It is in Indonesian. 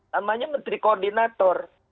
namanya menteri koordinator